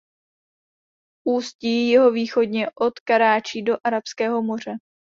Ústí jihovýchodně od Karáčí do Arabského moře.